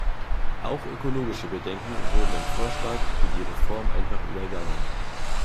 Auch ökologische Bedenken wurden im Vorschlag für die Reform einfach übergangen.